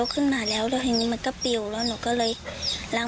กระเด็นไปไกลไหม